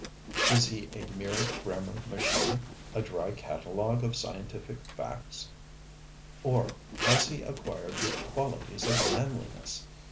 Is he a mere grammar machine, a dry catalogue of scientific facts, or has he acquired the qualities of manliness?